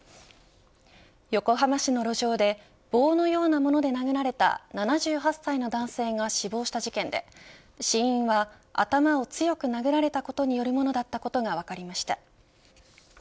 横浜市の路上で棒のようなもので殴られた７８歳の男性が死亡した事件で死因は頭を強く殴られたことによるものだったことが分かりました。